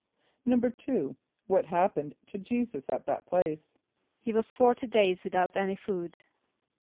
= =2.= What happened to J[=e]´[s+]us at that place? =He was forty days without any food.